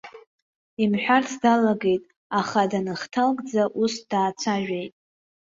Имҳәарц далагеит, аха даныхҭалкӡа ус даацәажәеит.